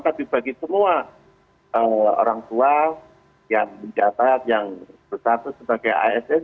tapi bagi semua orang tua yang mencatat yang bersatu sebagai asn